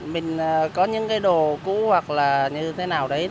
mình có những đồ cũ hoặc như thế nào đấy